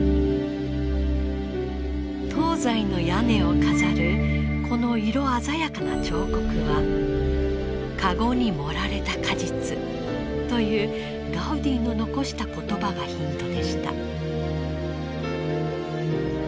東西の屋根を飾るこの色鮮やかな彫刻はというガウディの残した言葉がヒントでした。